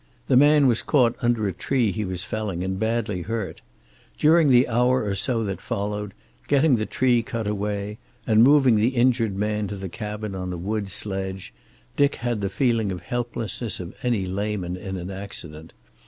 The man was caught under a tree he was felling, and badly hurt. During the hour or so that followed, getting the tree cut away, and moving the injured man to the cabin on a wood sledge, Dick had the feeling of helplessness of any layman in an accident.